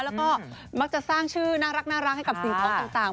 แล้วก็มักจะสร้างชื่อน่ารักให้กับสิ่งของต่าง